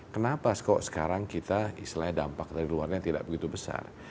kenapa kok sekarang kita istilahnya dampak dari luarnya tidak begitu besar